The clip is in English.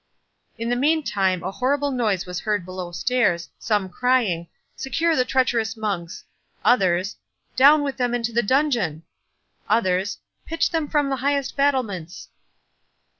In the meantime, a horrible noise was heard below stairs, some crying, "Secure the treacherous monks!"—others, "Down with them into the dungeon!"—others, "Pitch them from the highest battlements!"